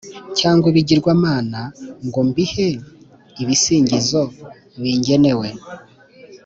cyangwa ibigirwamana ngo mbihe ibisingizo bingenewe.